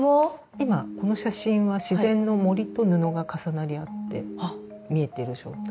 今この写真は自然の森と布が重なり合って見えてる状態です。